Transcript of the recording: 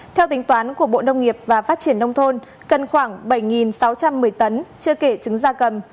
theo tính toán của bộ nông nghiệp và phát triển nông thôn cần khoảng bảy sáu trăm một mươi tấn chưa kể trứng da cầm